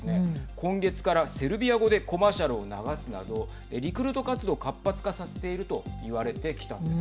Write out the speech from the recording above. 今月からセルビア語でコマーシャルを流すなどリクルート活動を活発化させていると言われてきたんです。